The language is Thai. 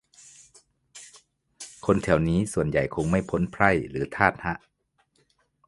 คนแถวนี้ส่วนใหญ่คงไม่พ้นไพร่หรือทาสฮะ